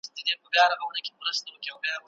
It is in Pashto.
هغه غپېدی .